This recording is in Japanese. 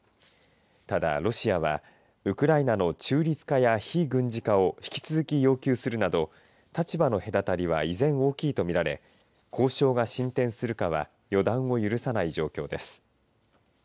ただ、ロシアはウクライナの中立化や非軍事化を引き続き要求するなど立場の隔たりは依然大きいと見られ交渉が進展するかは予断を許さない状況です。